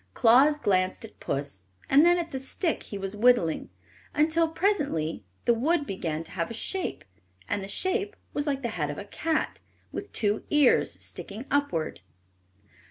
Claus glanced at puss and then at the stick he was whittling, until presently the wood began to have a shape, and the shape was like the head of a cat, with two ears sticking upward.